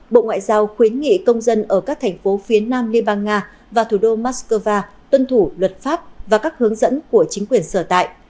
bộ ngoại giao khuyến nghị công dân ở các thành phố phía nam liên bang nga và thủ đô moscow tuân thủ luật pháp và các hướng dẫn của chính quyền sở tại